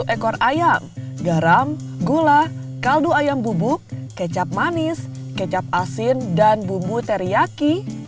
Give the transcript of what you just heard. satu ekor ayam garam gula kaldu ayam bubuk kecap manis kecap asin dan bumbu teriyaki